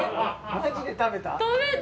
マジで食べた？